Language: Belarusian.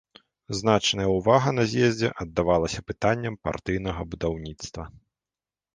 Значная ўвага на з'ездзе аддавалася пытанням партыйнага будаўніцтва.